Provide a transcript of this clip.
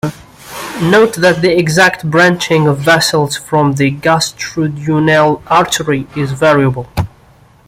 Note that the exact branching of vessels from the gastroduoenal artery is variable.